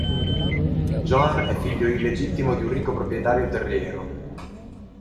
John è figlio illegittimo di un ricco proprietario terriero.